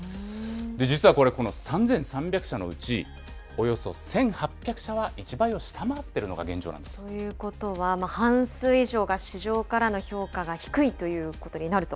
実はこれ、この３３００社のうち、およそ１８００社は１倍を下回っということは、半数以上が市場からの評価が低いということになると。